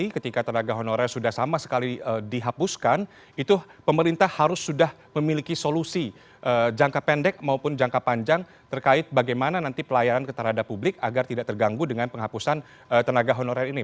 ketika tenaga honorer sudah sama sekali dihapuskan itu pemerintah harus sudah memiliki solusi jangka pendek maupun jangka panjang terkait bagaimana nanti pelayanan terhadap publik agar tidak terganggu dengan penghapusan tenaga honorer ini